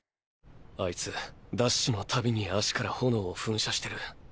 あいつダッシュの度に足から炎を噴射してる。